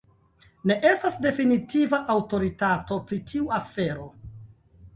Ne estas definitiva aŭtoritato pri tiu afero.